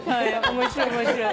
面白い面白い。